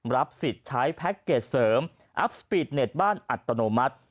รับสิทธิ์ใช้แพ็คเกจเสริมอัพสปีดเน็ตบ้านอัตโนมัติ